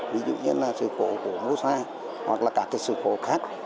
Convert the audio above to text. ví dụ như là sự cố của mosoate hoặc là các sự cố khác